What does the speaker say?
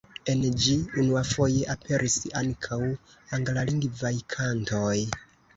En ĝi unuafoje aperis ankaŭ anglalingvaj kantoj.